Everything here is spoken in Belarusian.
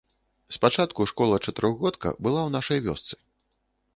Спачатку школа-чатырохгодка была ў нашай вёсцы.